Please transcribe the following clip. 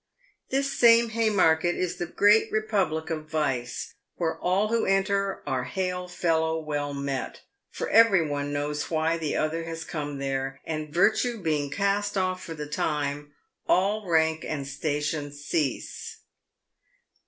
This same Haymarket is the great republic of vice, where all who enter are hail fellow well met, for every one knows why the other has come there, and virtue being cast off for the time, all rank and station cease.